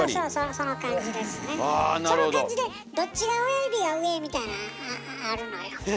その感じでどっちが親指が上みたいなんあるのよ。